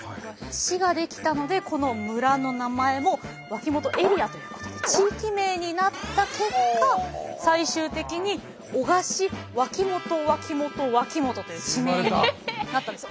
市が出来たのでこの村の名前も脇本エリアということで地域名になった結果最終的に男鹿市脇本脇本脇本という地名になったんです。